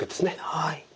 はい。